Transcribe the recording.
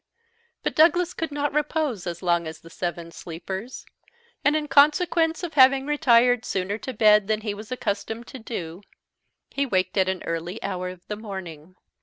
But Douglas could not repose as long as the seven sleepers, and, in consequence of having retired sooner to bed than he was accustomed to do, he waked at an early hour in the morning.